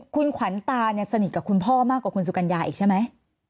คุณขวัญตาเนี่ยสนิทกับคุณพ่อมากกว่าคุณสุกัญญาอีกใช่ไหม